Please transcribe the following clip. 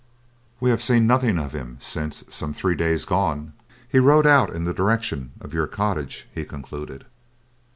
"We have seen nothing of him since, some three days gone, he rode out in the direction of your cottage," he concluded.